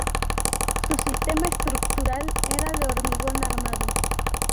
Su sistema estructural era de hormigón armado.